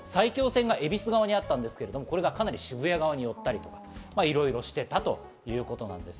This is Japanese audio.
埼京線が恵比寿側にあったんですが、かなり渋谷側に寄ったり、いろいろしていたということです。